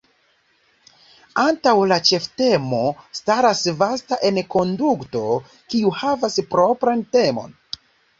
Antaŭ la ĉeftemo staras vasta enkonduko, kiu havas propran temon.